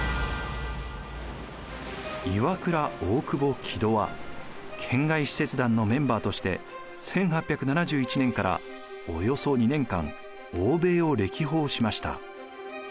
岩倉大久保木戸は遣外使節団のメンバーとして１８７１年からおよそ２年間欧米を歴訪しました。